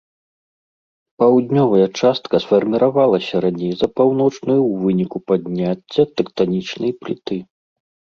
Паўднёвая частка сфарміравалася раней за паўночную ў выніку падняцця тэктанічнай пліты.